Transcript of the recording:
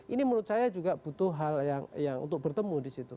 ini menurut saya juga butuh hal yang untuk bertemu di situ